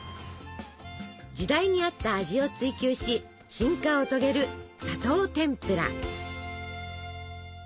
時代に合った味を追求し進化を遂げる砂糖てんぷら。